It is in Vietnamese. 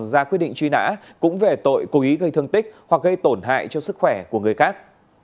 ra quyết định truy nã cũng về tội cố ý gây thương tích hoặc gây tổn hại cho sức khỏe của người khác